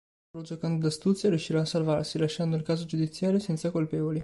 Solo giocando d'astuzia, riuscirà a salvarsi, lasciando il caso giudiziario senza colpevoli.